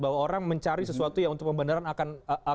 bahwa orang mencari sesuatu yang untuk pembenaran akan